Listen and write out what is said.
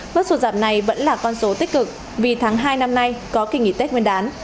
mức sụt giảm này vẫn là con số tích cực vì tháng hai năm nay có kỳ nghỉ tết nguyên đán